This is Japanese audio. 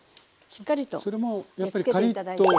しっかりとつけて頂いて。